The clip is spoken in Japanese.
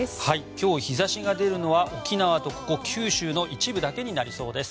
今日、日差しが出るのは沖縄とここ九州の一部だけになりそうです。